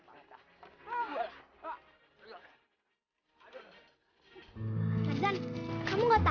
wah bersama kita lalu siapa